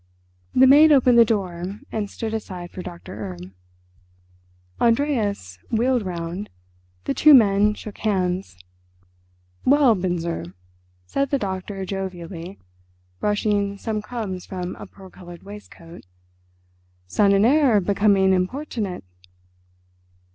The maid opened the door, and stood aside for Doctor Erb. Andreas wheeled round; the two men shook hands. "Well, Binzer," said the doctor jovially, brushing some crumbs from a pearl coloured waistcoat, "son and heir becoming importunate?"